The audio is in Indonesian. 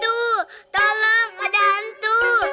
aku bukan mahu